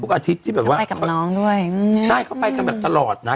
อาทิตย์ที่แบบว่าไปกับน้องด้วยอืมใช่เขาไปกันแบบตลอดนะ